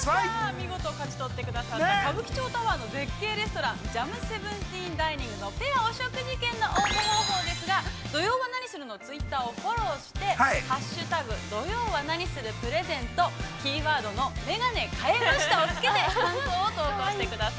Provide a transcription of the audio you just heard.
◆見事勝ち取ってくださった歌舞伎町タワーの絶景レストラン、ＪＡＭ１７ＤＩＮＩＮＧのペアお食事券の応募方法ですが、「土曜はナニする！？」のツイッターをフォローして、「＃土曜はナニするプレゼント」キーワードのメガネ変えましたをつけて感想を投稿してください。